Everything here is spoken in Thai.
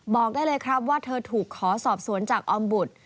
บอกได้เลยครับว่าเธอถูกขอสอบสวนจากออมบุตร